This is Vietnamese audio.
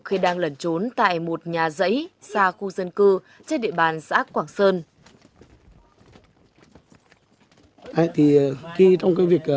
khi đang lẩn trốn tại một nhà dãy xa khu dân cư trên địa bàn xã quảng sơn